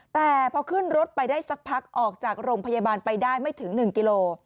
แต่พอขึ้นรถไปได้สักพักออกจากโรงพยาบาลไปได้ไม่ถึง๑กิโล